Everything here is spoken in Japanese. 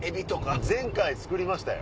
前回作りましたよ。